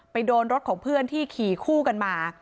โดนรถของเพื่อนที่ขี่คู่กันมา